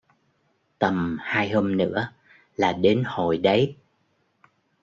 Tầm hai hôm nữa là đến hội đấy